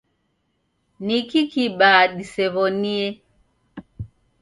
Niki kibaa disew'onie.